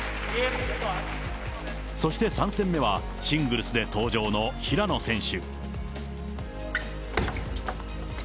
そして３戦目は、シングルスで登場の平野選手。